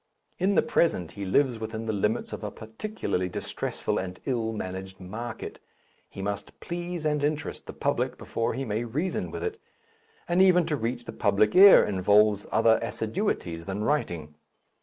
In the present he lives within the limits of a particularly distressful and ill managed market. He must please and interest the public before he may reason with it, and even to reach the public ear involves other assiduities than writing.